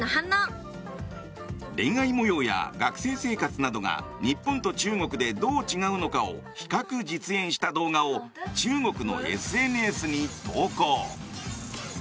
恋愛模様や学生生活などが日本と中国でどう違うのかを比較、実演した動画を中国のＳＮＳに投稿。